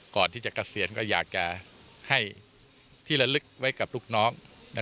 ก่อนที่จะเกษียณก็อยากจะให้ที่ระลึกไว้กับลูกน้อง